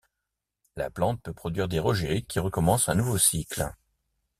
La plante peut produire des rejets qui recommencent un nouveau cycle.